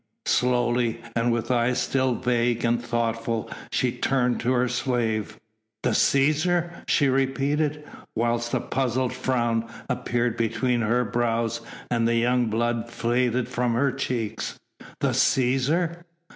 Slowly, and with eyes still vague and thoughtful, she turned to her slave. "The Cæsar?" she repeated, whilst a puzzled frown appeared between her brows and the young blood faded from her cheeks. "The Cæsar?"